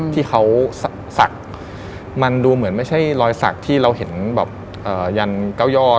ที่เขาศักดิ์มันดูเหมือนไม่ใช่รอยสักที่เราเห็นแบบยันเก้าย่อ